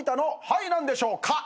はい何でしょうか？